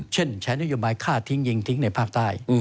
เช่นใช้นโยบายฆ่าทิ้งยิงทิ้งในภาคใต้